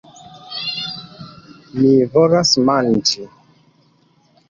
Mi volas manĝi!